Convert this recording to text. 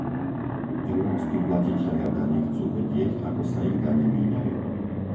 Európski platitelia dane chcú vedieť, ako sa ich dane míňajú.